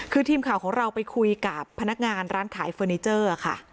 คือทีมข่าวของเราไปคุยกับพนักงานร้านขายเฟอร์นิเจอร์ค่ะ